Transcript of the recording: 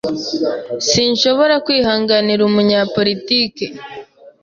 Sinshobora kwihanganira umunyapolitiki.